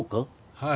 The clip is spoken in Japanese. はい。